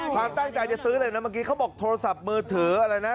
ความตั้งใจจะซื้อเลยนะเมื่อกี้เขาบอกโทรศัพท์มือถืออะไรนะ